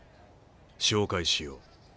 紹介しよう。